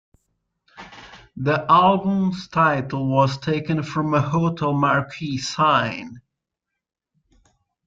The album's title was taken from a hotel marquee sign.